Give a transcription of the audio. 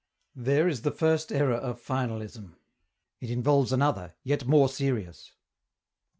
There is the first error of finalism. It involves another, yet more serious.